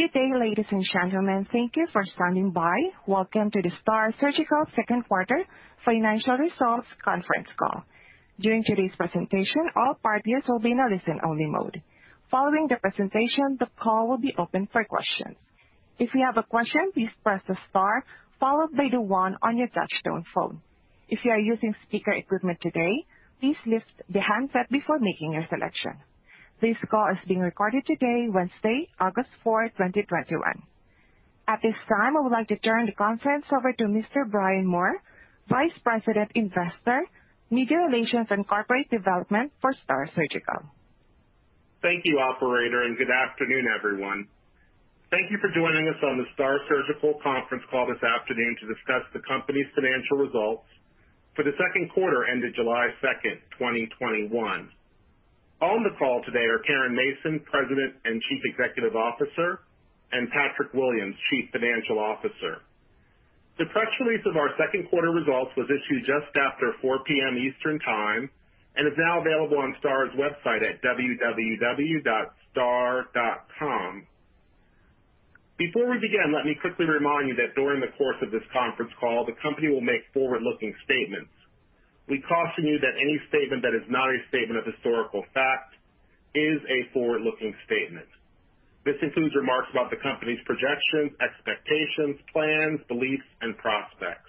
Good day, ladies and gentlemen. Thank you for standing by. Welcome to the STAAR Surgical Second Quarter Financial Results Conference Call. During today's presentation, all parties will be in a listen-only mode. Following the presentation, the call will be open for questions. If you have a question please press the star followed by the one on your touchtone phone. If you are using speaker equipment today, please release the handset before making a selection. This call is being recorded today, Wednesday, August 4th, 2021. At this time, I would like to turn the conference over to Mr. Brian Moore, Vice President, Investor, Media Relations, and Corporate Development for STAAR Surgical. Thank you, operator, and good afternoon, everyone. Thank you for joining us on the STAAR Surgical conference call this afternoon to discuss the company's financial results for the second quarter ended July second, 2021. On the call today are Caren Mason, President and Chief Executive Officer, and Patrick Williams, Chief Financial Officer. The press release of our second quarter results was issued just after 4:00 P.M. Eastern Time and is now available on STAAR's website at www.staar.com. Before we begin, let me quickly remind you that during the course of this conference call, the company will make forward-looking statements. We caution you that any statement that is not a statement of historical fact is a forward-looking statement. This includes remarks about the company's projections, expectations, plans, beliefs, and prospects.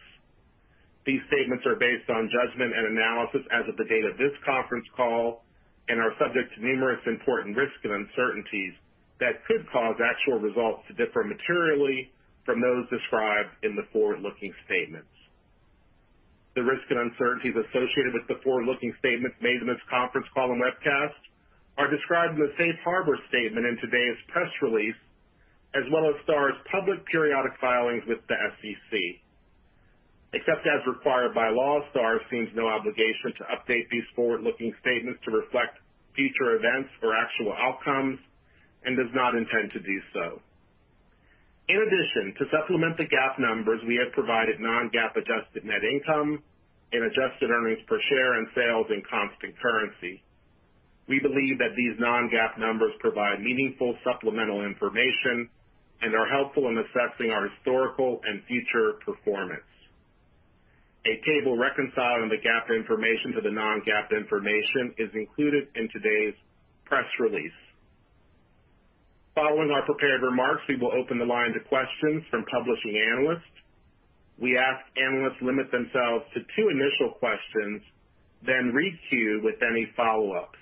These statements are based on judgment and analysis as of the date of this conference call and are subject to numerous important risks and uncertainties that could cause actual results to differ materially from those described in the forward-looking statements. The risks and uncertainties associated with the forward-looking statements made in this conference call and webcast are described in the safe harbor statement in today's press release, as well as STAAR's public periodic filings with the SEC. Except as required by law, STAAR assumes no obligation to update these forward-looking statements to reflect future events or actual outcomes and does not intend to do so. In addition, to supplement the GAAP numbers, we have provided non-GAAP adjusted net income and adjusted earnings per share and sales in constant currency. We believe that these non-GAAP numbers provide meaningful supplemental information and are helpful in assessing our historical and future performance. A table reconciling the GAAP information to the non-GAAP information is included in today's press release. Following our prepared remarks, we will open the line to questions from publishing analysts. We ask analysts limit themselves to two initial questions, then re-queue with any follow-ups.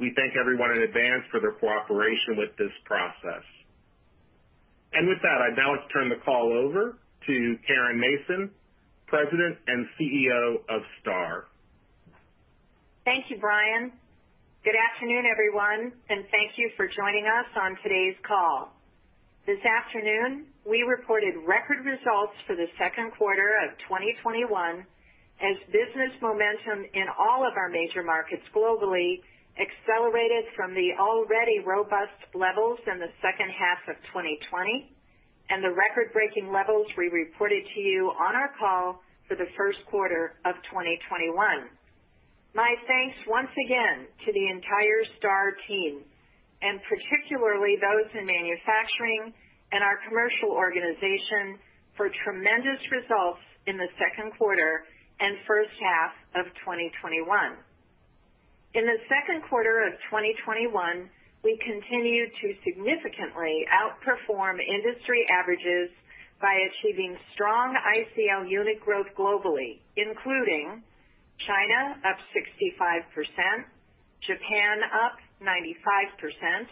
We thank everyone in advance for their cooperation with this process. With that, I'd now like to turn the call over to Caren Mason, President and Chief Executive Officer of STAAR. Thank you, Brian. Good afternoon, everyone, and thank you for joining us on today's call. This afternoon, we reported record results for the second quarter of 2021 as business momentum in all of our major markets globally accelerated from the already robust levels in the second half of 2020 and the record-breaking levels we reported to you on our call for the first quarter of 2021. My thanks once again to the entire STAAR team, and particularly those in manufacturing and our commercial organization, for tremendous results in the second quarter and first half of 2021. In the second quarter of 2021, we continued to significantly outperform industry averages by achieving strong ICL unit growth globally, including China up 65%, Japan up 95%,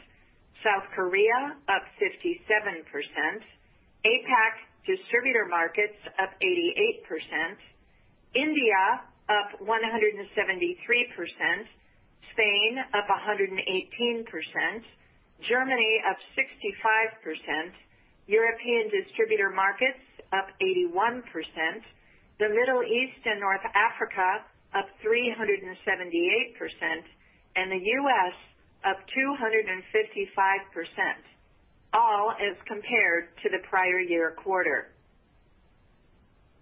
South Korea up 57%, APAC distributor markets up 88%, India up 173%, Spain up 118%, Germany up 65%, European distributor markets up 81%, the Middle East and North Africa up 378%, and the U.S. up 255%, all as compared to the prior year quarter.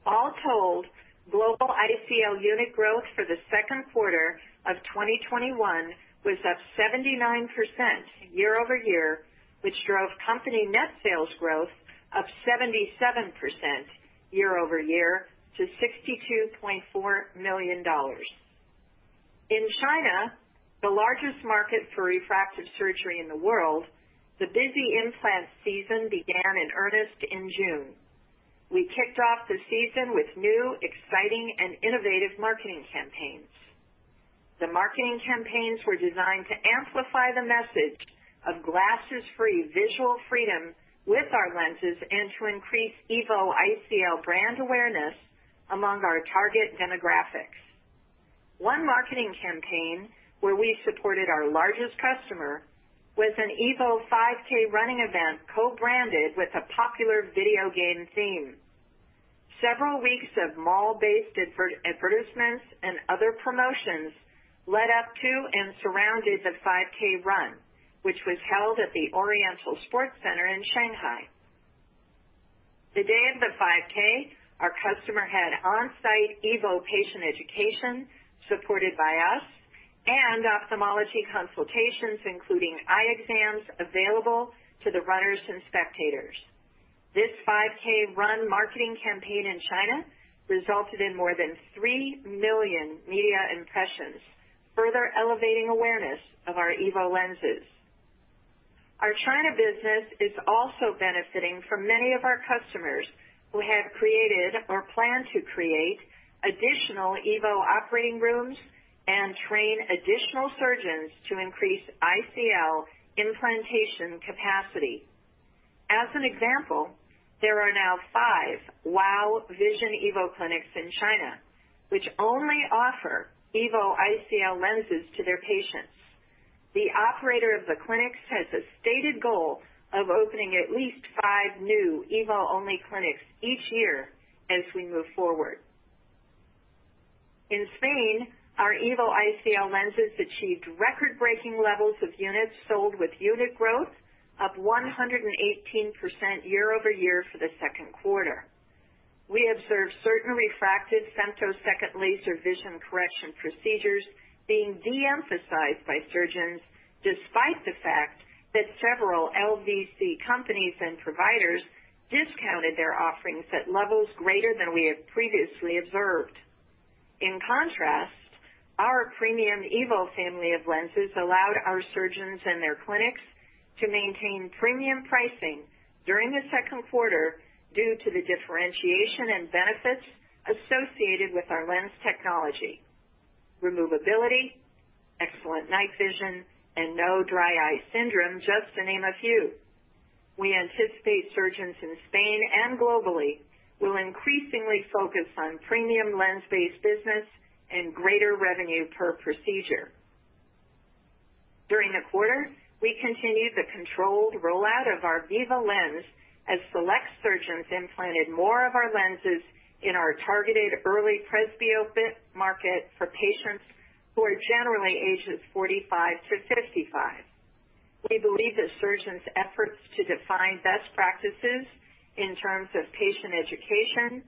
All told, global ICL unit growth for the second quarter of 2021 was up 79% year-over-year, which drove company net sales growth of 77% year-over-year to $62.4 million. In China, the largest market for refractive surgery in the world, the busy implant season began in earnest in June. We kicked off the season with new, exciting, and innovative marketing campaigns. The marketing campaigns were designed to amplify the message of glasses-free visual freedom with our lenses and to increase EVO ICL brand awareness among our target demographics. One marketing campaign, where we supported our largest customer, was an EVO 5K running event co-branded with a popular video game theme. Several weeks of mall-based advertisements and other promotions led up to and surrounded the 5K run, which was held at the Oriental Sports Center in Shanghai. The day of the 5K, our customer had on-site EVO patient education supported by us and ophthalmology consultations, including eye exams available to the runners and spectators. This 5K run marketing campaign in China resulted in more than three million media impressions, further elevating awareness of our EVO lenses. Our China business is also benefiting from many of our customers who have created or plan to create additional EVO operating rooms and train additional surgeons to increase ICL implantation capacity. As an example, there are now five WOW Vision EVO clinics in China, which only offer EVO ICL lenses to their patients. The operator of the clinics has a stated goal of opening at least five new EVO-only clinics each year as we move forward. In Spain, our EVO ICL lenses achieved record-breaking levels of units sold, with unit growth up 118% year-over-year for the second quarter. We observed certain refractive femtosecond laser vision correction procedures being de-emphasized by surgeons, despite the fact that several LVC companies and providers discounted their offerings at levels greater than we have previously observed. In contrast, our premium EVO family of lenses allowed our surgeons and their clinics to maintain premium pricing during the second quarter due to the differentiation and benefits associated with our lens technology, removability, excellent night vision, and no dry eye syndrome, just to name a few. We anticipate surgeons in Spain and globally will increasingly focus on premium lens-based business and greater revenue per procedure. During the quarter, we continued the controlled rollout of our Viva lens as select surgeons implanted more of our lenses in our targeted early presbyopia market for patients who are generally ages 45-55. We believe that surgeons' efforts to define best practices in terms of patient education,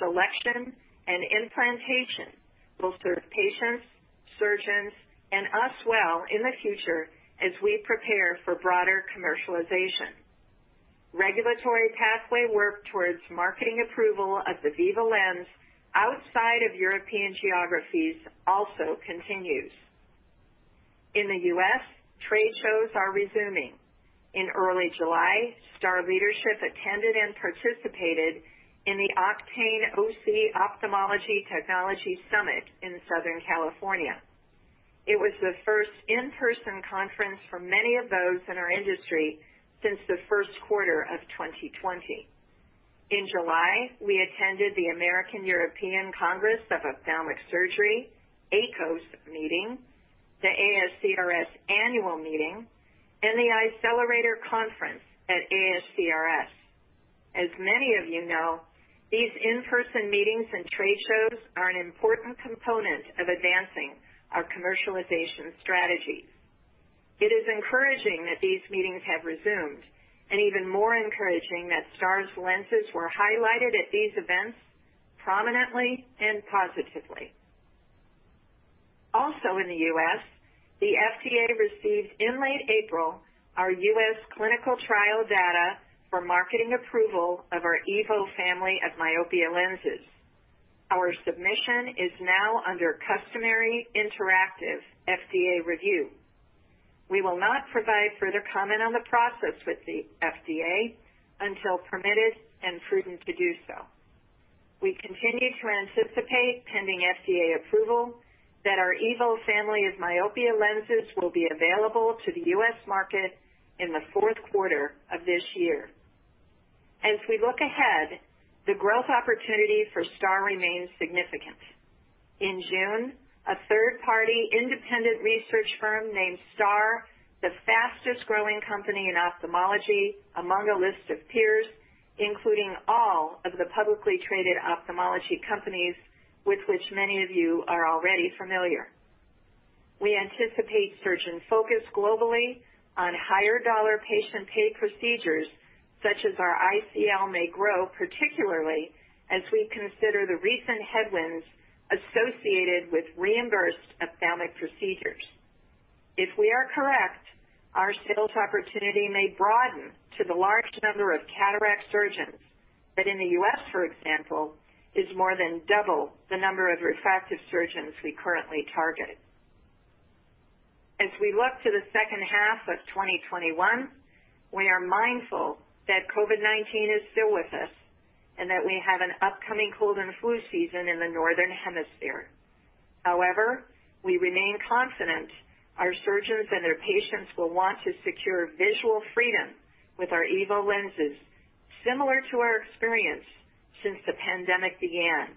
selection, and implantation will serve patients, surgeons, and us well in the future as we prepare for broader commercialization. Regulatory pathway work towards marketing approval of the Viva lens outside of European geographies also continues. In the U.S., trade shows are resuming. In early July, STAAR leadership attended and participated in the Octane OC Ophthalmology Technology Summit in Southern California. It was the first in-person conference for many of those in our industry since the first quarter of 2020. In July, we attended the American-European Congress of Ophthalmic Surgery, AECOS meeting, the ASCRS Annual Meeting, and the Eyecelerator Conference at ASCRS. As many of you know, these in-person meetings and trade shows are an important component of advancing our commercialization strategy. It is encouraging that these meetings have resumed, and even more encouraging that STAAR's lenses were highlighted at these events prominently and positively. Also in the U.S., the FDA received in late April our US clinical trial data for marketing approval of our EVO family of myopia lenses. Our submission is now under customary interactive FDA review. We will not provide further comment on the process with the FDA until permitted and prudent to do so. We continue to anticipate, pending FDA approval, that our EVO family of myopia lenses will be available to the US market in the fourth quarter of this year. As we look ahead, the growth opportunity for STAAR remains significant. In June, a third-party independent research firm named STAAR the fastest-growing company in ophthalmology among a list of peers, including all of the publicly traded ophthalmology companies with which many of you are already familiar. We anticipate surgeon focus globally on higher dollar patient pay procedures such as our ICL may grow, particularly as we consider the recent headwinds associated with reimbursed ophthalmic procedures. If we are correct, our sales opportunity may broaden to the large number of cataract surgeons that in the U.S., for example, is more than double the number of refractive surgeons we currently target. As we look to the second half of 2021, we are mindful that COVID-19 is still with us and that we have an upcoming cold and flu season in the northern hemisphere. We remain confident our surgeons and their patients will want to secure visual freedom with our EVO lenses, similar to our experience since the pandemic began.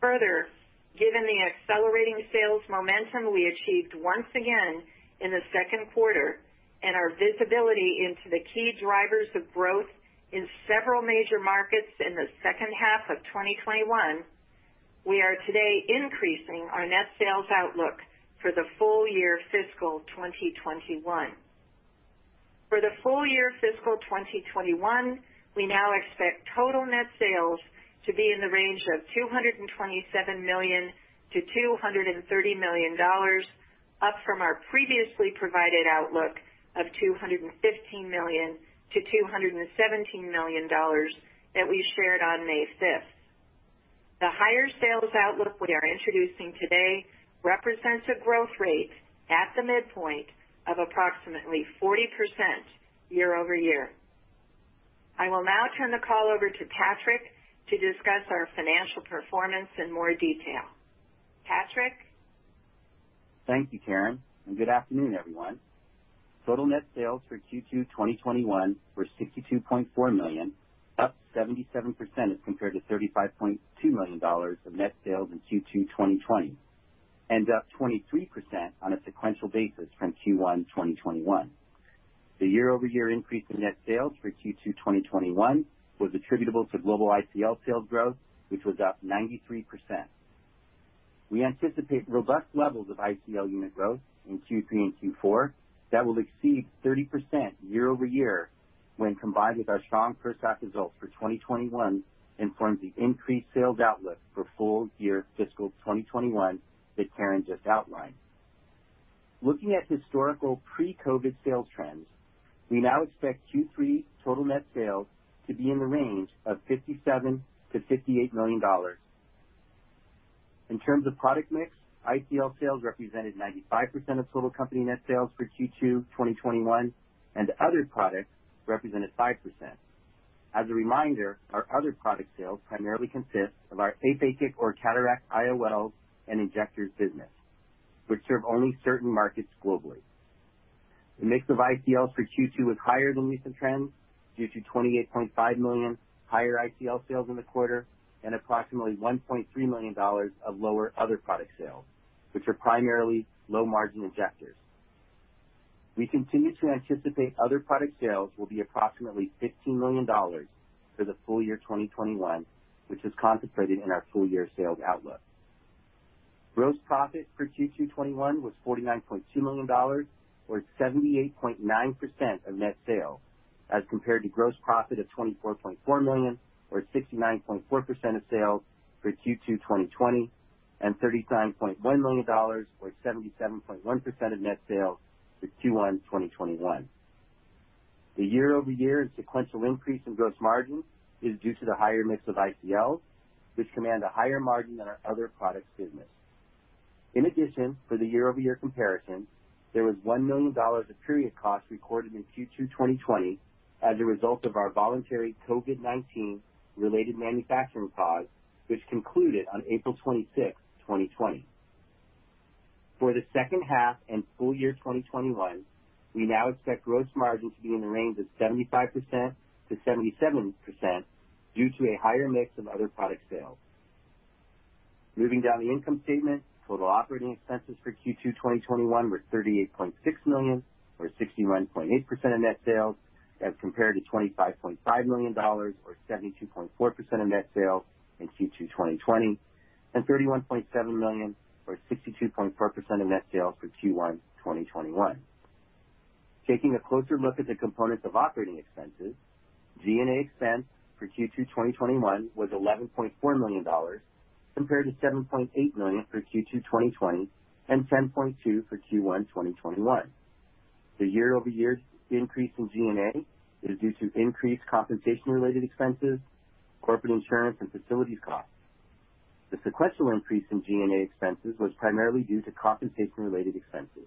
Given the accelerating sales momentum we achieved once again in the second quarter and our visibility into the key drivers of growth in several major markets in the second half of 2021. We are today increasing our net sales outlook for the full year fiscal 2021. For the full year fiscal 2021, we now expect total net sales to be in the range of $227 million-$230 million, up from our previously provided outlook of $215 million-$217 million that we shared on May 5th. The higher sales outlook we are introducing today represents a growth rate at the midpoint of approximately 40% year-over-year. I will now turn the call over to Patrick to discuss our financial performance in more detail. Patrick? Thank you, Caren, good afternoon, everyone. Total net sales for Q2 2021 were $62.4 million, up 77% as compared to $35.2 million of net sales in Q2 2020, and up 23% on a sequential basis from Q1 2021. The year-over-year increase in net sales for Q2 2021 was attributable to global ICL sales growth, which was up 93%. We anticipate robust levels of ICL unit growth in Q3 and Q4 that will exceed 30% year-over-year when combined with our strong first half results for 2021 and forms the increased sales outlook for full year fiscal 2021 that Caren just outlined. Looking at historical pre-COVID-19 sales trends, we now expect Q3 total net sales to be in the range of $57 million-$58 million. In terms of product mix, ICL sales represented 95% of total company net sales for Q2 2021, and other products represented 5%. As a reminder, our other product sales primarily consist of our aphakic or cataract IOLs and injectors business, which serve only certain markets globally. The mix of ICLs for Q2 was higher than recent trends due to $28.5 million higher ICL sales in the quarter and approximately $1.3 million of lower other product sales, which are primarily low-margin injectors. We continue to anticipate other product sales will be approximately $15 million for the full year 2021, which is concentrated in our full year sales outlook. Gross profit for Q2 2021 was $49.2 million, or 78.9% of net sales, as compared to gross profit of $24.4 million, or 69.4% of sales for Q2 2020, and $39.1 million, or 77.1% of net sales for Q1 2021. The year-over-year and sequential increase in gross margin is due to the higher mix of ICLs, which command a higher margin than our other products business. In addition, for the year-over-year comparison, there was $1 million of period cost recorded in Q2 2020 as a result of our voluntary COVID-19 related manufacturing pause, which concluded on April 26th, 2020. For the second half and full year 2021, we now expect gross margin to be in the range of 75%-77% due to a higher mix of other product sales. Moving down the income statement, total operating expenses for Q2 2021 were $38.6 million, or 61.8% of net sales, as compared to $25.5 million, or 72.4% of net sales in Q2 2020, and $31.7 million, or 62.4% of net sales for Q1 2021. Taking a closer look at the components of operating expenses, G&A expense for Q2 2021 was $11.4 million, compared to $7.8 million for Q2 2020 and $10.2 million for Q1 2021. The year-over-year increase in G&A is due to increased compensation-related expenses, corporate insurance, and facilities costs. The sequential increase in G&A expenses was primarily due to compensation-related expenses.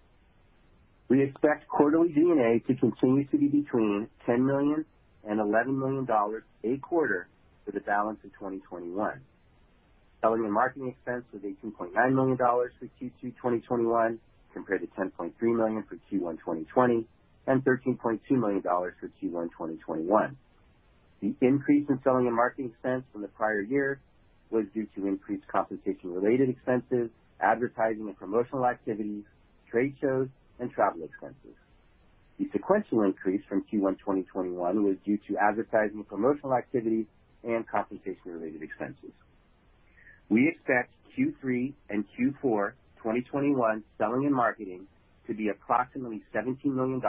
We expect quarterly G&A to continue to be between $10 million and $11 million a quarter for the balance of 2021. Selling and marketing expense was $18.9 million for Q2 2021, compared to $10.3 million for Q1 2020 and $13.2 million for Q1 2021. The increase in selling and marketing expense from the prior year was due to increased compensation-related expenses, advertising and promotional activities, trade shows, and travel expenses. The sequential increase from Q1 2021 was due to advertising and promotional activities and compensation-related expenses. We expect Q3 and Q4 2021 selling and marketing to be approximately $17 million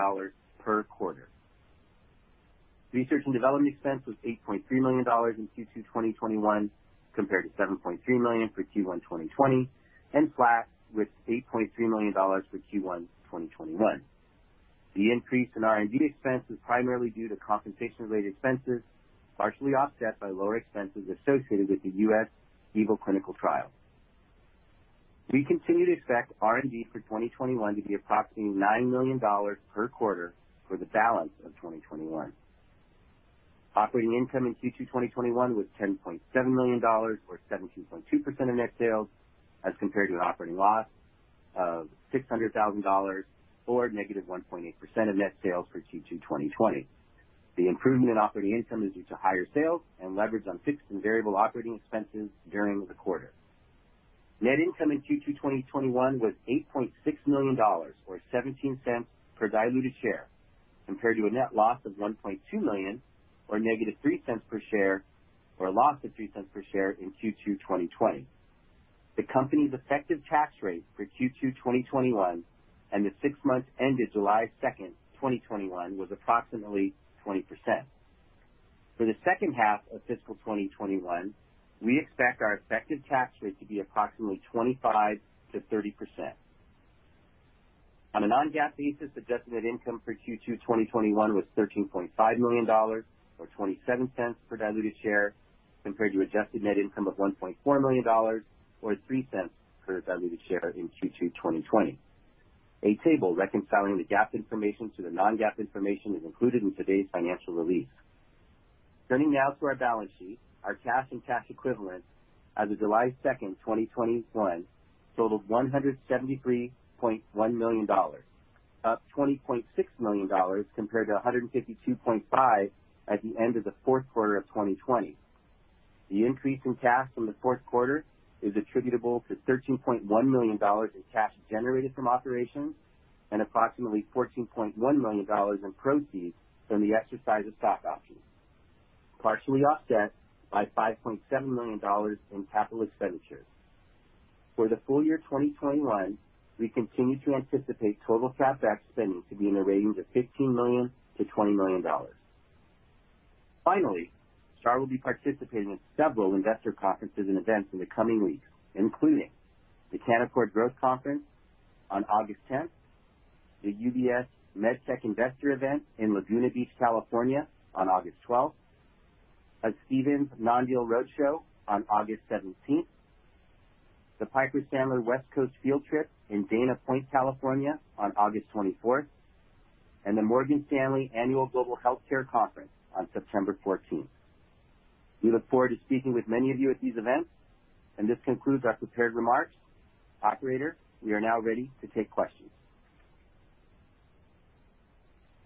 per quarter. Research and development expense was $8.3 million in Q2 2021, compared to $7.3 million for Q1 2020, and flat with $8.3 million for Q1 2021. The increase in our R&D expense was primarily due to compensation-related expenses, partially offset by lower expenses associated with the US EVO clinical trial. We continue to expect R&D for 2021 to be approximately $9 million per quarter for the balance of 2021. Operating income in Q2 2021 was $10.7 million, or 17.2% of net sales, as compared to an operating loss of $600,000, or -1.8% of net sales for Q2 2020.The improvement in operating income is due to higher sales and leverage on fixed and variable operating expenses during the quarter. Net income in Q2 2021 was $8.6 million, or $0.17 per diluted share, compared to a net loss of $1.2 million or -$0.03 per share, or a loss of $0.03 per share in Q2 2020. The company's effective tax rate for Q2 2021 and the six months ended July 2nd, 2021, was approximately 20%. For the second half of fiscal 2021, we expect our effective tax rate to be approximately 25%-30%. On a non-GAAP basis, adjusted net income for Q2 2021 was $13.5 million, or $0.27 per diluted share, compared to adjusted net income of $1.4 million or $0.03 per diluted share in Q2 2020. A table reconciling the GAAP information to the non-GAAP information is included in today's financial release. Turning now to our balance sheet. Our cash and cash equivalents as of July 2nd, 2021, totaled $173.1 million, up $20.6 million compared to $152.5 million at the end of the fourth quarter of 2020. The increase in cash from the fourth quarter is attributable to $13.1 million in cash generated from operations and approximately $14.1 million in proceeds from the exercise of stock options, partially offset by $5.7 million in capital expenditures. For the full year 2021, we continue to anticipate total CapEx spending to be in the range of $15 million-$20 million. Finally, STAAR will be participating in several investor conferences and events in the coming weeks, including the Canaccord Growth Conference on August 10th, the UBS MedTech Investor Event in Laguna Beach, California on August 12th, a Stephens Non-Deal Roadshow on August 17th. The Piper Sandler West Coast Field Trip in Dana Point, California on August 24th, and the Morgan Stanley Annual Global Healthcare Conference on September 14th. We look forward to speaking with many of you at these events, and this concludes our prepared remarks. Operator, we are now ready to take questions.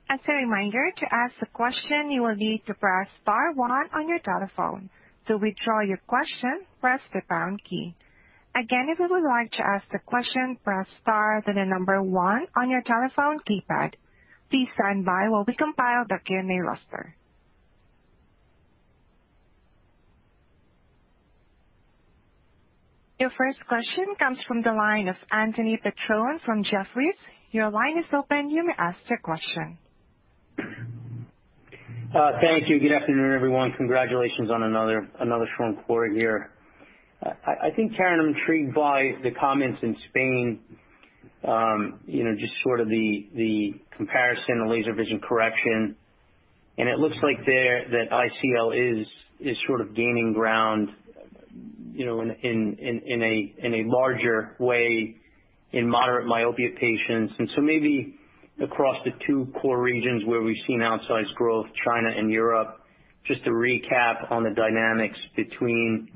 As a reminder, to ask a question, you will need to press star one on your telephone. To withdraw your question, press the pound key. Again, if you would like to ask the question, press star, then the number one on your telephone keypad. Please stand by while we compile the Q&A roster. Your first question comes from the line of Anthony Petrone from Jefferies. Your line is open. You may ask your question. Thank you. Good afternoon, everyone. Congratulations on another strong quarter here. I think, Caren, I'm intrigued by the comments in Spain, just sort of the comparison of laser vision correction. It looks like that ICL is sort of gaining ground in a larger way in moderate myopia patients. Maybe across the two core regions where we've seen outsized growth, China and Europe, just to recap on the dynamics between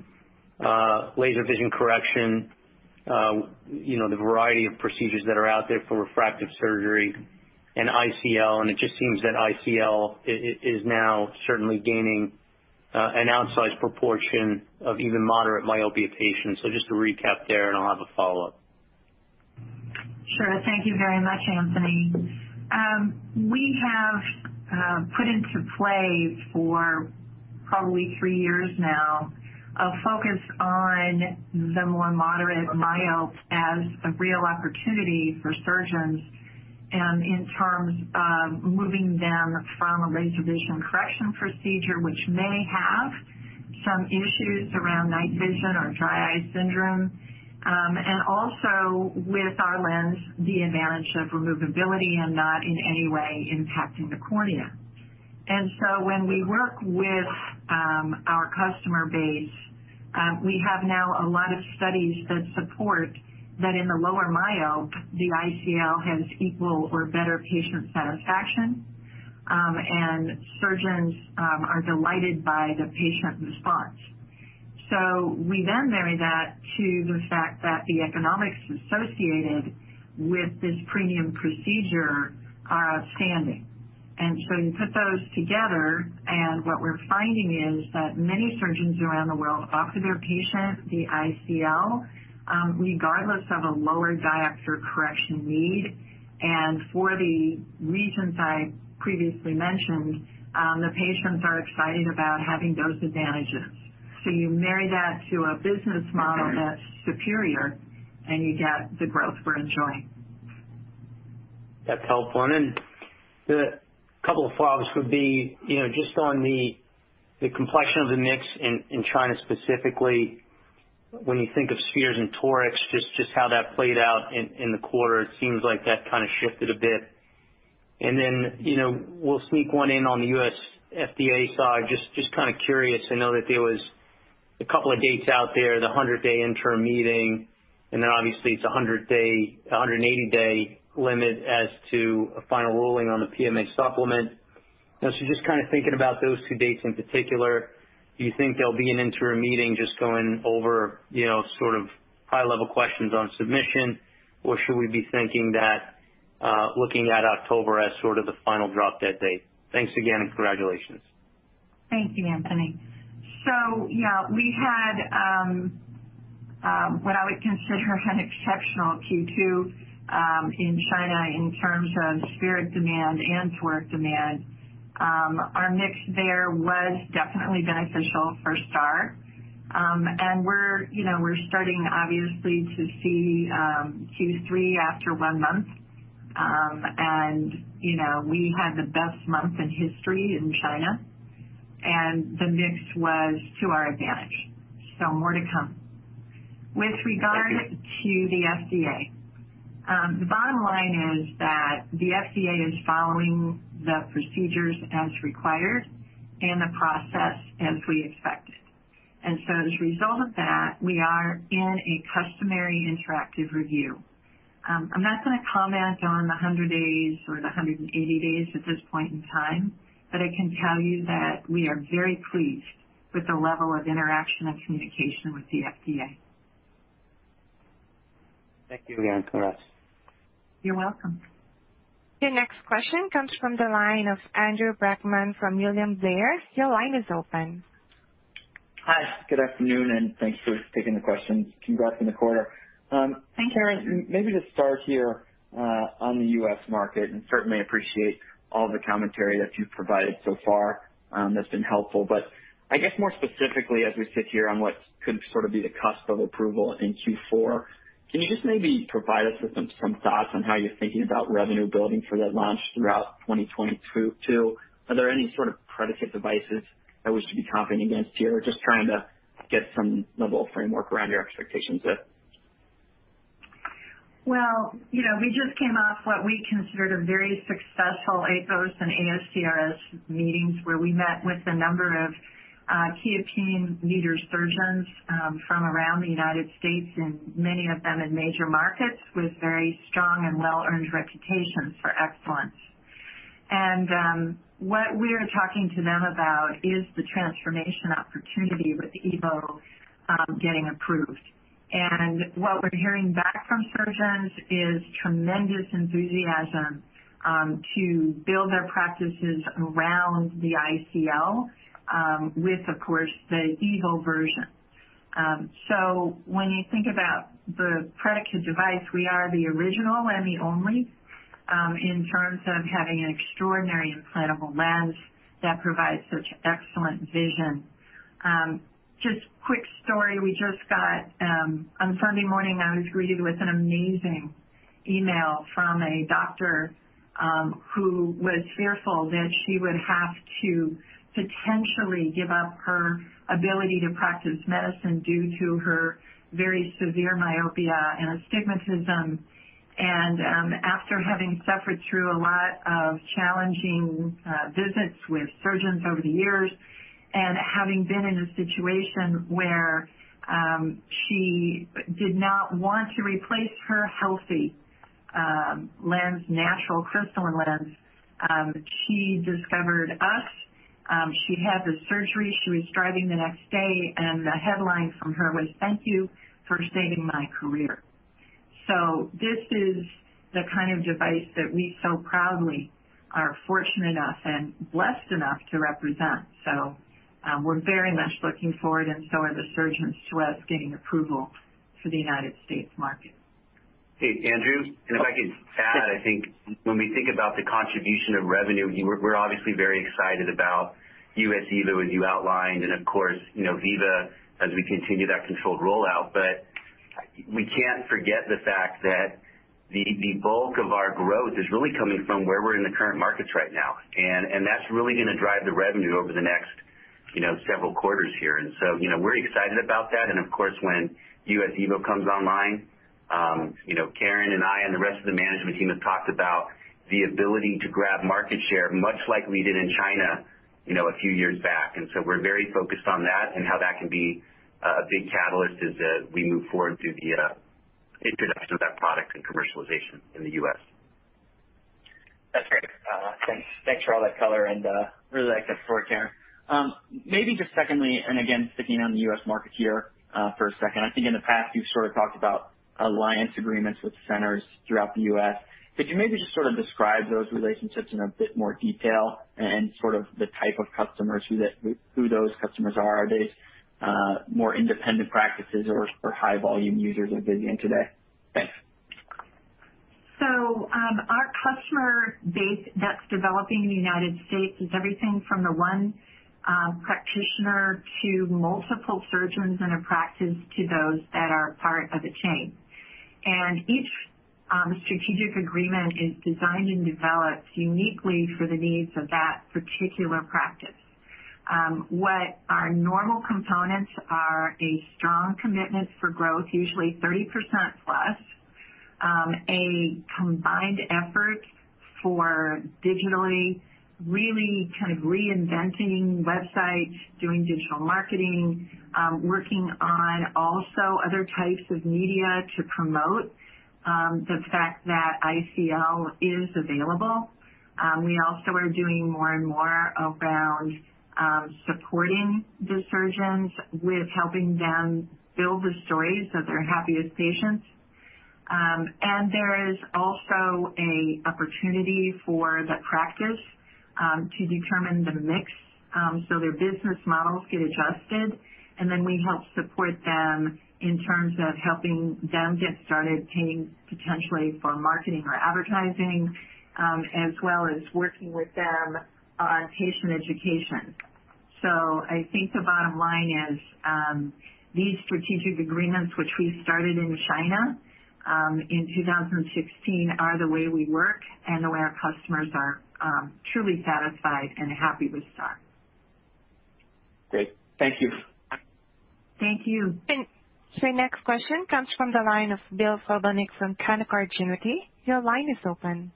laser vision correction, the variety of procedures that are out there for refractive surgery and ICL. It just seems that ICL is now certainly gaining an outsized proportion of even moderate myopia patients. Just to recap there, and I'll have a follow-up. Sure. Thank you very much, Anthony. We have put into play for probably three years now a focus on the more moderate myopes as a real opportunity for surgeons, and in terms of moving them from a laser vision correction procedure, which may have some issues around night vision or dry eye syndrome. Also with our lens, the advantage of removability and not in any way impacting the cornea. When we work with our customer base, we have now a lot of studies that support that in the lower myope, the ICL has equal or better patient satisfaction, and surgeons are delighted by the patient response. We then marry that to the fact that the economics associated with this premium procedure are outstanding. You put those together and what we're finding is that many surgeons around the world offer their patient the ICL regardless of a lower diopter correction need. For the reasons I previously mentioned, the patients are excited about having those advantages. You marry that to a business model that's superior and you get the growth we're enjoying. That's helpful. The couple of follow-ups would be just on the complexion of the mix in China specifically, when you think of spheres and torics, just how that played out in the quarter. It seems like that kind of shifted a bit. Then we'll sneak one in on the US FDA side. Just kind of curious. I know that there was a couple of dates out there, the 100-day interim meeting, and then obviously it's 180-day limit as to a final ruling on the PMA supplement. Just kind of thinking about those two dates in particular, do you think there'll be an interim meeting just going over sort of high-level questions on submission? Or should we be thinking that looking at October as sort of the final drop-dead date? Thanks again and congratulations. Thank you, Anthony. Yeah, we had what I would consider an exceptional Q2 in China in terms of sphere demand and toric demand. Our mix there was definitely beneficial for STAAR. We're starting, obviously, to see Q3 after one month. We had the best month in history in China, and the mix was to our advantage. More to come. With regard to the FDA, the bottom line is that the FDA is following the procedures as required and the process as we expected. As a result of that, we are in a customary interactive review. I'm not going to comment on the 100 days or the 180 days at this point in time, but I can tell you that we are very pleased with the level of interaction and communication with the FDA. Thank you again, Caren. You're welcome. Your next question comes from the line of Andrew Brackmann from William Blair. Your line is open. Hi, good afternoon, and thanks for taking the questions. Congrats on the quarter. Thank you. Maybe to start here on the US market, and certainly appreciate all the commentary that you've provided so far that's been helpful. I guess more specifically, as we sit here on what could sort of be the cusp of approval in Q4, can you just maybe provide us with some thoughts on how you're thinking about revenue building for that launch throughout 2022? Are there any sort of predicate devices that we should be comping against here? Just trying to get some level of framework around your expectations there. Well, we just came off what we considered a very successful AECOS and ASCRS meetings, where we met with a number of key opinion leaders, surgeons from around the U.S., and many of them in major markets with very strong and well-earned reputations for excellence. What we're talking to them about is the transformation opportunity with the EVO getting approved. What we're hearing back from surgeons is tremendous enthusiasm to build their practices around the ICL with, of course, the EVO version. When you think about the predicate device, we are the original and the only in terms of having an extraordinary implantable lens that provides such excellent vision. Just quick story. We just got, on Sunday morning, I was greeted with an amazing email from a doctor who was fearful that she would have to potentially give up her ability to practice medicine due to her very severe myopia and astigmatism. After having suffered through a lot of challenging visits with surgeons over the years and having been in a situation where she did not want to replace her healthy lens, natural crystalline lens, she discovered us. She had the surgery, she was driving the next day, and the headline from her was, "Thank you for saving my career." This is the kind of device that we so proudly are fortunate enough and blessed enough to represent. We're very much looking forward, and so are the surgeons to us getting approval for the United States market. Hey, Andrew, If I could add, I think when we think about the contribution of revenue, we're obviously very excited about US EVO, as you outlined, and of course, Viva, as we continue that controlled rollout. We can't forget the fact that the bulk of our growth is really coming from where we're in the current markets right now, and that's really going to drive the revenue over the next several quarters here. We're excited about that, and of course, when US EVO comes online, Caren and I and the rest of the management team have talked about the ability to grab market share, much like we did in China a few years back. We're very focused on that and how that can be a big catalyst as we move forward through the introduction of that product and commercialization in the U.S. That's great. Thanks for all that color and really like the story, Caren. Maybe just secondly, again, sticking on the US market here for a second, I think in the past you've sort of talked about alliance agreements with centers throughout the U.S. Could you maybe just sort of describe those relationships in a bit more detail and sort of the type of customers, who those customers are? Are they more independent practices or high-volume users of Visian today? Thanks. Our customer base that's developing in the United States is everything from the one practitioner to multiple surgeons in a practice to those that are part of a chain. Each strategic agreement is designed and developed uniquely for the needs of that particular practice. What our normal components are a strong commitment for growth, usually 30%+, a combined effort for digitally really kind of reinventing websites, doing digital marketing, working on also other types of media to promote the fact that ICL is available. We also are doing more and more around supporting the surgeons with helping them build the stories of their happiest patients. There is also an opportunity for the practice to determine the mix so their business models get adjusted, and then we help support them in terms of helping them get started paying, potentially, for marketing or advertising, as well as working with them on patient education. So, I think the bottom line is, these strategic agreements, which we started in China in 2016, are the way we work and the way our customers are truly satisfied and happy with STAAR. Great. Thank you. Thank you. The next question comes from the line of Bill Plovanic from Canaccord Genuity. Your line is open.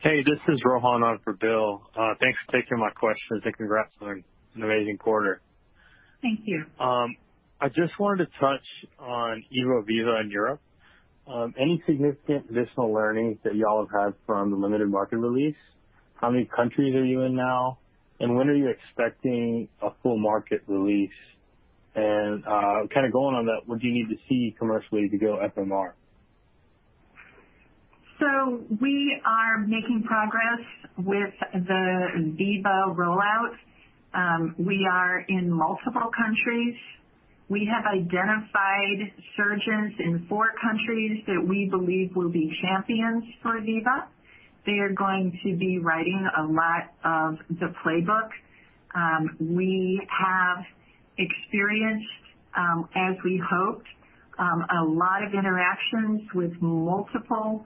Hey, this is Rohan for Bill. Thanks for taking my questions. Congrats on an amazing quarter. Thank you. I just wanted to touch on EVO Viva in Europe. Any significant additional learnings that y'all have had from the limited market release? How many countries are you in now, and when are you expecting a full market release? Kind of going on that, what do you need to see commercially to go FMR? We are making progress with the VIVA rollout. We are in multiple countries. We have identified surgeons in four countries that we believe will be champions for VIVA. They are going to be writing a lot of the playbook. We have experienced, as we hoped, a lot of interactions with multiple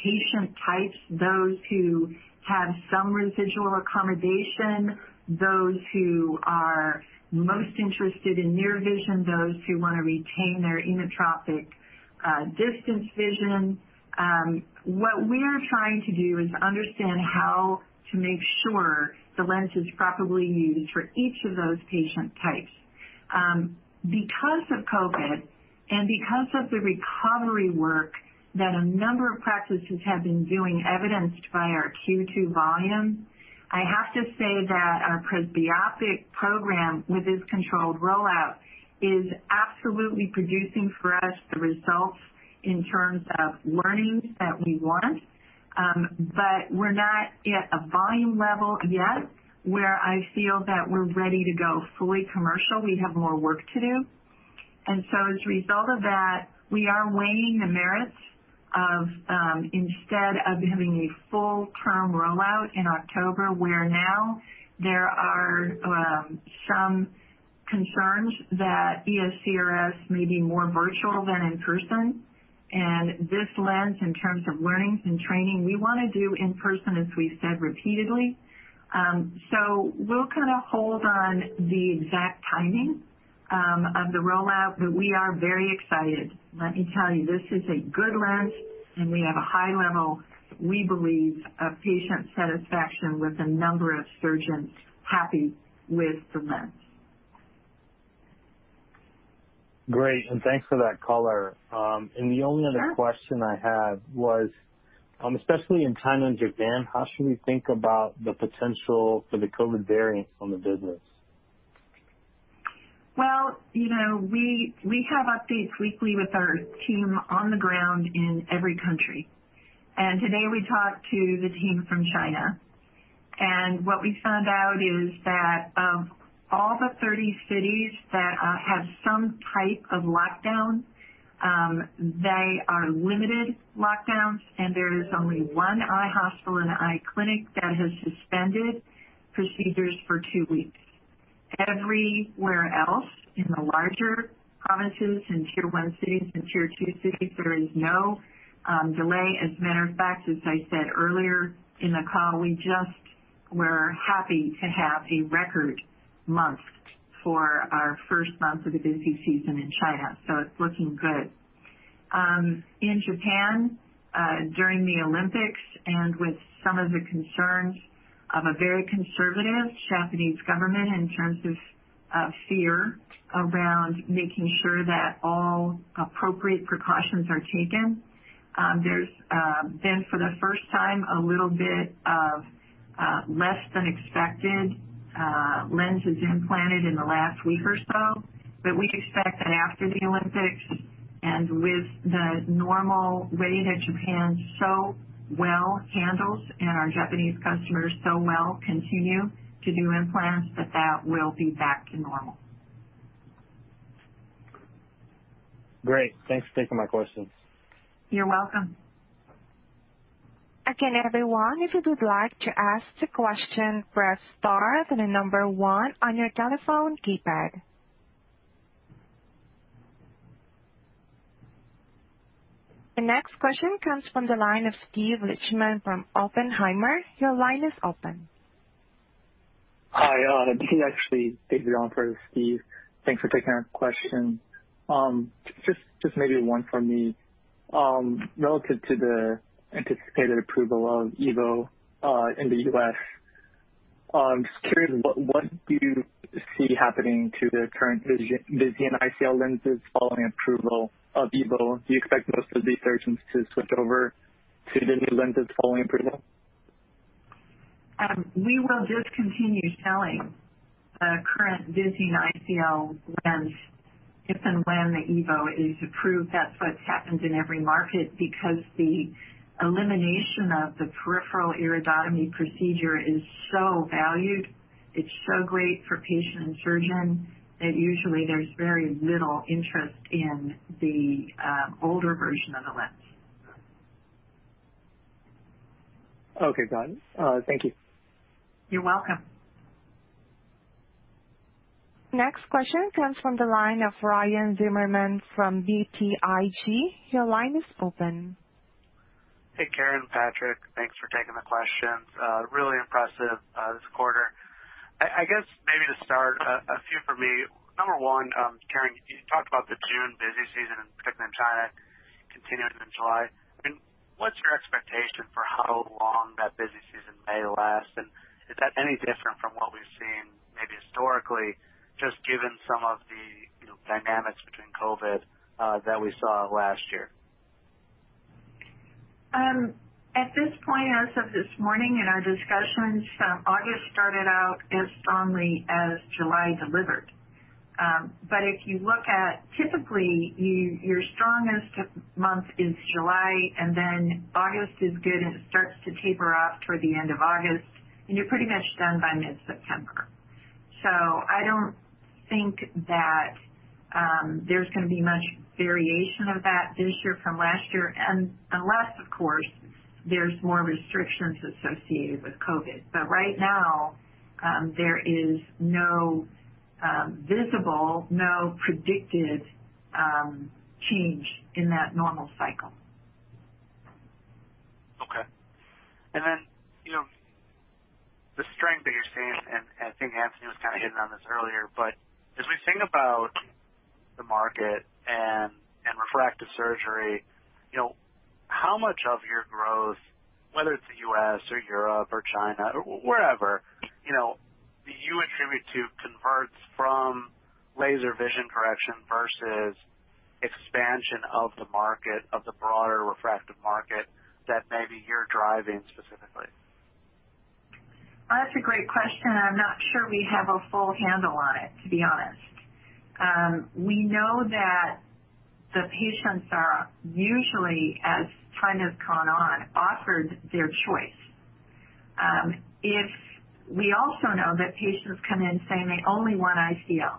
patient types, those who have some residual accommodation, those who are most interested in near vision, those who want to retain their emmetropic distance vision. What we are trying to do is understand how to make sure the lens is properly used for each of those patient types. Because of COVID, and because of the recovery work that a number of practices have been doing, evidenced by our Q2 volume, I have to say that our presbyopic program with this controlled rollout is absolutely producing for us the results in terms of learnings that we want. We're not at a volume level yet where I feel that we're ready to go fully commercial. We have more work to do. As a result of that, we are weighing the merits of instead of having a full-term rollout in October, where now there are some concerns that ESCRS may be more virtual than in person. This lens, in terms of learnings and training, we want to do in person, as we've said repeatedly. We'll kind of hold on the exact timing of the rollout, but we are very excited. Let me tell you, this is a good lens, and we have a high level, we believe, of patient satisfaction with a number of surgeons happy with the lens. Great, thanks for that color. Sure. The only other question I had was, especially in China and Japan, how should we think about the potential for the COVID variants on the business? Well, we have updates weekly with our team on the ground in every country. Today we talked to the team from China, and what we found out is that of all the 30 cities that have some type of lockdown, they are limited lockdowns, and there is only one eye hospital and eye clinic that has suspended procedures for two weeks. Everywhere else in the larger provinces, in Tier 1 cities and Tier 2 cities, there is no delay. As a matter of fact, as I said earlier in the call, we just were happy to have a record month for our first month of the busy season in China, so it's looking good. In Japan, during the Olympics and with some of the concerns of a very conservative Japanese government in terms of fear around making sure that all appropriate precautions are taken, there's been, for the first time, a little bit of less than expected lenses implanted in the last week or so. We expect that after the Olympics, and with the normal way that Japan so well handles, and our Japanese customers so well continue to do implants, that that will be back to normal. Great. Thanks for taking my questions. You're welcome. Again, everyone, if you would like to ask a question, press star, then the number one on your telephone keypad. The next question comes from the line of Steven Richman from Oppenheimer. Your line is open. Hi, this is actually David on for Steve. Thanks for taking our question. Just maybe one from me. Relative to the anticipated approval of EVO in the U.S., I'm just curious, what do you see happening to the current Visian ICL lenses following approval of EVO? Do you expect most of these surgeons to switch over to the new lenses following approval? We will discontinue selling the current Visian ICL lens if and when the EVO is approved. That's what's happened in every market because the elimination of the peripheral iridotomy procedure is so valued, it's so great for patient and surgeon that usually there's very little interest in the older version of the lens. Okay, got it. Thank you. You're welcome. Next question comes from the line of Ryan Zimmerman from BTIG. Your line is open. Hey, Caren, Patrick, thanks for taking the questions. Really impressive this quarter. I guess maybe to start, a few from me. Number one, Caren, you talked about the June busy season, in particular in China, continuing in July. What's your expectation for how long that busy season may last? Is that any different from what we've seen maybe historically, just given some of the dynamics between COVID that we saw last year? At this point, as of this morning in our discussions, August started out as strongly as July delivered. If you look at typically, your strongest month is July, and then August is good and it starts to taper off toward the end of August, and you're pretty much done by mid-September. I don't think that there's going to be much variation of that this year from last year, unless, of course, there's more restrictions associated with COVID. Right now, there is no visible, no predicted change in that normal cycle. Okay. The strength that you're seeing, and I think Anthony was kind of hitting on this earlier, but as we think about the market and refractive surgery, how much of your growth, whether it's the U.S. or Europe or China or wherever, do you attribute to converts from laser vision correction versus expansion of the market, of the broader refractive market that maybe you're driving specifically? That's a great question. I'm not sure we have a full handle on it, to be honest. We know that the patients are usually, as time has gone on, offered their choice. We also know that patients come in saying they only want ICL.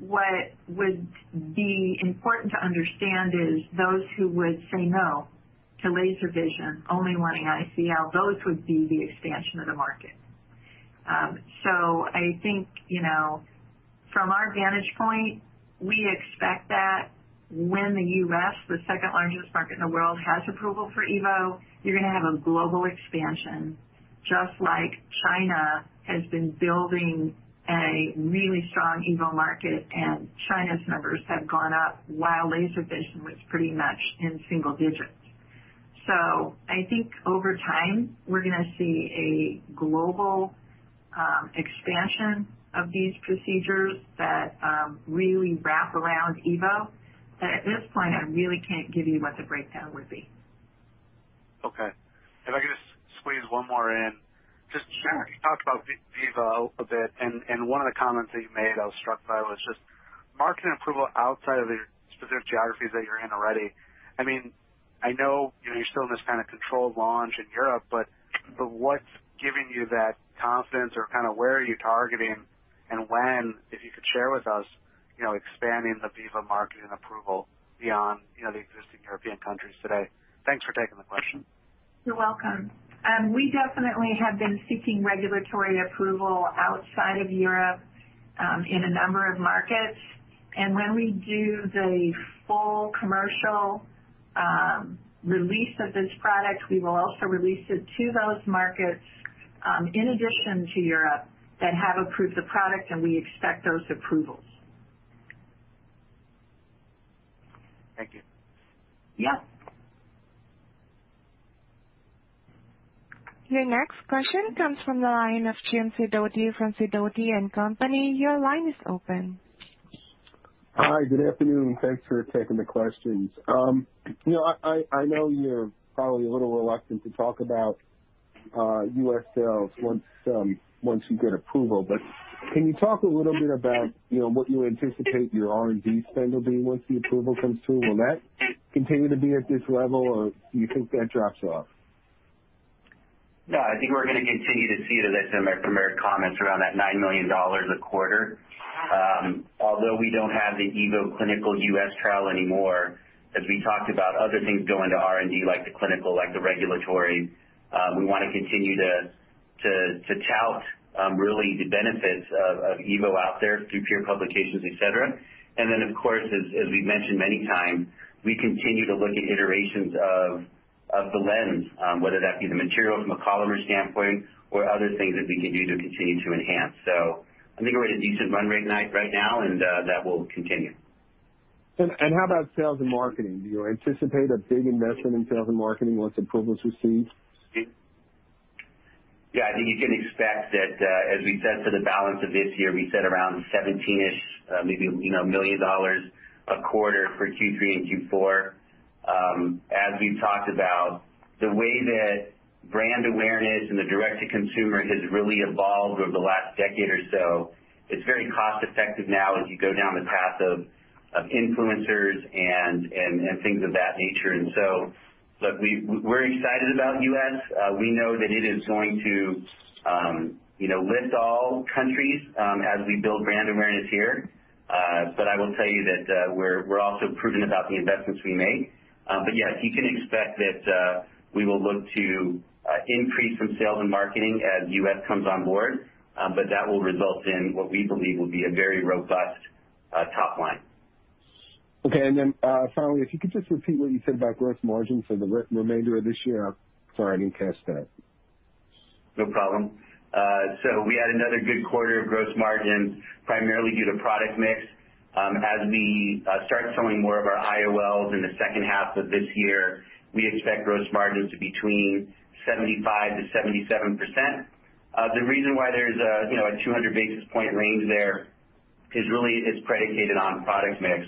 What would be important to understand is those who would say no to laser vision, only wanting ICL, those would be the expansion of the market. I think from our vantage point, we expect that when the U.S., the second largest market in the world, has approval for EVO, you're going to have a global expansion, just like China has been building a really strong EVO market and China's numbers have gone up while laser vision was pretty much in single digits. I think over time, we're going to see a global expansion of these procedures that really wrap around EVO. At this point, I really can't give you what the breakdown would be. Okay. If I could just squeeze one more in. Sure. Just Caren, you talked about EVO Viva a bit. One of the comments that you made I was struck by was just market and approval outside of the specific geographies that you're in already. I know you're still in this kind of controlled launch in Europe. What's giving you that confidence or where are you targeting and when, if you could share with us, expanding the EVO Viva market and approval beyond the existing European countries today? Thanks for taking the question. You're welcome. We definitely have been seeking regulatory approval outside of Europe in a number of markets. When we do the full commercial release of this product, we will also release it to those markets in addition to Europe that have approved the product and we expect those approvals. Thank you. Yep. Your next question comes from the line of Jim Sidoti from Sidoti & Company. Your line is open. Hi, good afternoon. Thanks for taking the questions. I know you're probably a little reluctant to talk about US sales once you get approval, but can you talk a little bit about what you anticipate your R&D spend will be once the approval comes through? Will that continue to be at this level or do you think that drops off? I think we're going to continue to see it as in my prepared comments around that $9 million a quarter. We don't have the EVO clinical US trial anymore, as we talked about other things going to R&D like the clinical, like the regulatory, we want to continue to tout really the benefits of EVO out there through peer publications, et cetera. Of course, as we've mentioned many times, we continue to look at iterations of the lens, whether that be the material from a polymer standpoint or other things that we can do to continue to enhance. I think we're at a decent run rate right now and that will continue. How about sales and marketing? Do you anticipate a big investment in sales and marketing once approval is received? Yeah, I think you can expect that, as we said for the balance of this year, we said around $17 million a quarter for Q3 and Q4. As we've talked about, the way that brand awareness and the direct-to-consumer has really evolved over the last decade or so, it's very cost-effective now as you go down the path of influencers and things of that nature and so. Look, we're excited about U.S. We know that it is going to lift all countries as we build brand awareness here. I will tell you that we're also prudent about the investments we make. yes, you can expect that we will look to increase some sales and marketing as U.S. comes on board. That will result in what we believe will be a very robust top line. Okay. Finally, if you could just repeat what you said about gross margin for the remainder of this year? Sorry i didn't catch that. No problem. We had another good quarter of gross margin, primarily due to product mix. As we start selling more of our IOLs in the second half of this year, we expect gross margin to between 75%-77%. The reason why there's a 200 basis point range there is really, it's predicated on product mix.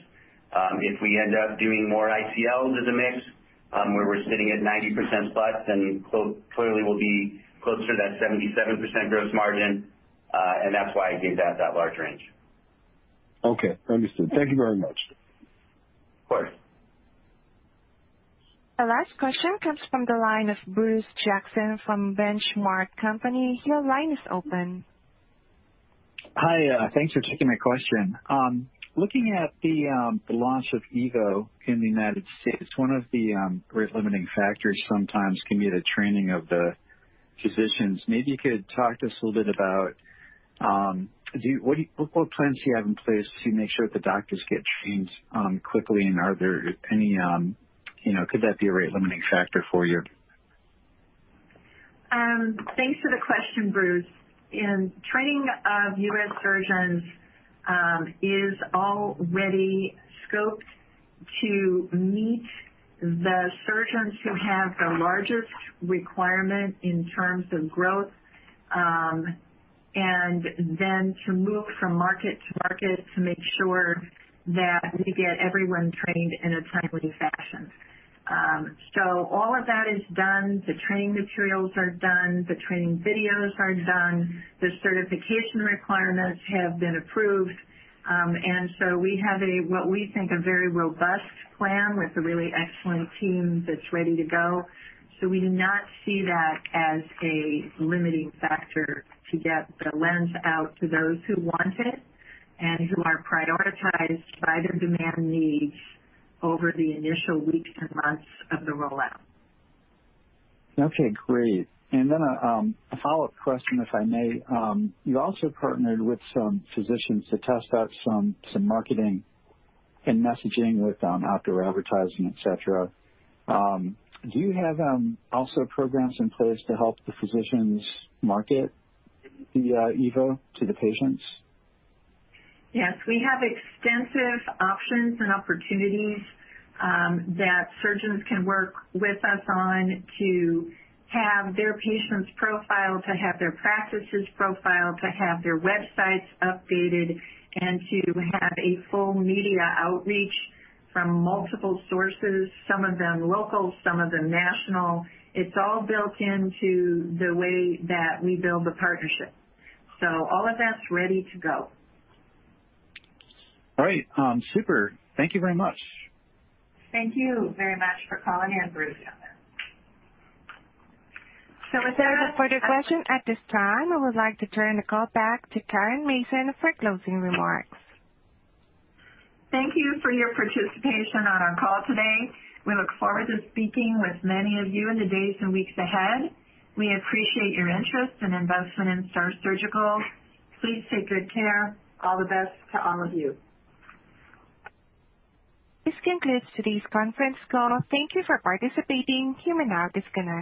If we end up doing more ICLs as a mix, where we're sitting at 90% plus, then clearly we'll be closer to that 77% gross margin. That's why I gave that large range. Okay. Understood. Thank you very much. Of course. Our last question comes from the line of Bruce Jackson from Benchmark Company. Your line is open. Hi. Thanks for taking my question. Looking at the launch of EVO in the United States, one of the rate limiting factors sometimes can be the training of the physicians. Maybe you could talk to us a little bit about what plans you have in place to make sure the doctors get trained quickly, and could that be a rate limiting factor for you? Thanks for the question, Bruce. In training of US surgeons is already scoped to meet the surgeons who have the largest requirement in terms of growth, then to move from market to market to make sure that we get everyone trained in a timely fashion. All of that is done. The training materials are done, the training videos are done, the certification requirements have been approved. We have what we think a very robust plan with a really excellent team that's ready to go. We do not see that as a limiting factor to get the lens out to those who want it and who are prioritized by their demand needs over the initial weeks and months of the rollout. Okay, great. A follow-up question, if I may. You also partnered with some physicians to test out some marketing and messaging with outdoor advertising, et cetera. Do you have also programs in place to help the physicians market the EVO to the patients? Yes, we have extensive options and opportunities that surgeons can work with us on to have their patients profiled, to have their practices profiled, to have their websites updated, and to have a full media outreach from multiple sources, some of them local, some of them national. It's all built into the way that we build the partnership. All of that's ready to go. All right. Super. Thank you very much. Thank you very much for calling in, Bruce. As there are no further questions at this time, I would like to turn the call back to Caren Mason for closing remarks. Thank you for your participation on our call today. We look forward to speaking with many of you in the days and weeks ahead. We appreciate your interest and investment in STAAR Surgical. Please take good care. All the best to all of you. This concludes today's conference call. Thank you for participating. You may now disconnect.